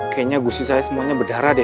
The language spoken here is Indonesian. kayaknya gusi saya semuanya berdarah deh